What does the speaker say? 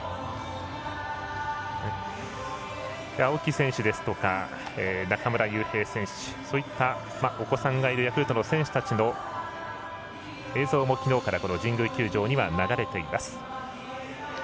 青木選手ですとか中村悠平選手そういったお子さんがいるヤクルトの選手たちの映像もきのうから神宮球場には流れています。